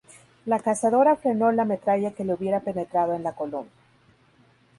La cazadora frenó la metralla que le hubiera penetrado en la columna.